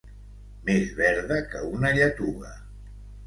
Més verda que una lletuga.